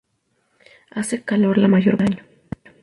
Hace calor la mayor parte del año.